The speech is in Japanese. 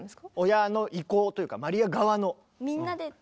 親の意向というかマリア側の。